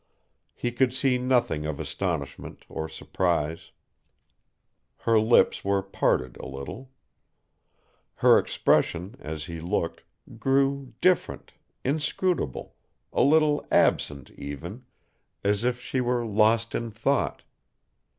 He could see nothing of astonishment or surprise. Her lips were parted a little. Her expression, as he looked, grew different, inscrutable, a little absent even, as if she were lost in thought.